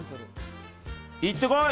いってこい！